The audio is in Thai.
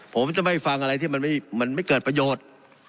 ผมจะไม่ฟังอะไรที่มันไม่เกิดประโยชน์